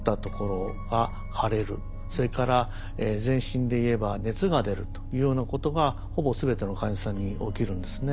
それから全身で言えば熱が出るというようなことがほぼ全ての患者さんに起きるんですね。